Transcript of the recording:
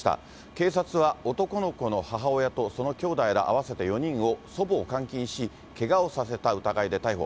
警察は男の子の母親とそのきょうだいら合わせて４人を、祖母を監禁し、けがをさせた疑いで逮捕。